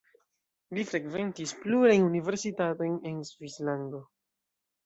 Li frekventis plurajn universitatojn en Svislando.